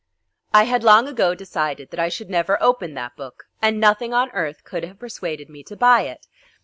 I had long ago decided that I should never open that book, and nothing on earth could have persuaded me to buy it.